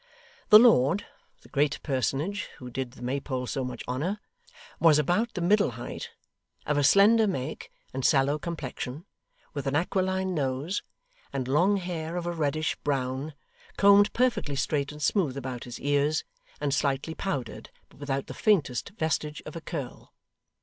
The lord, the great personage who did the Maypole so much honour, was about the middle height, of a slender make, and sallow complexion, with an aquiline nose, and long hair of a reddish brown, combed perfectly straight and smooth about his ears, and slightly powdered, but without the faintest vestige of a curl.